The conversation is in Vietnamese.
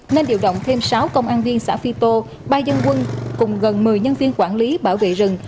nên điều động thêm sáu công an viên xã phi tô ba dân quân cùng gần một mươi nhân viên quản lý bảo vệ rừng